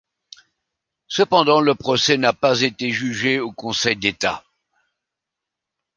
Cependant, le procès n'a pas été jugé au Conseil d'État.